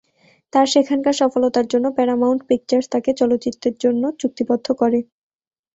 তার সেখানকার সফলতার জন্য প্যারামাউন্ট পিকচার্স তাকে চলচ্চিত্রের জন্য চুক্তিবদ্ধ করে।